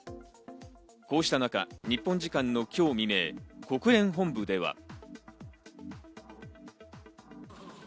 こうしたなか日本時間のきょう未明、国連本部では。